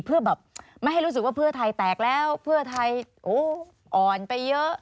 เพื่อแบบไม่ให้รู้สึกว่าเพื่อไทยแตกแล้วเพื่อไทยอ่อนไปเยอะ